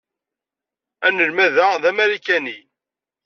Anelmad-a d Amarikani.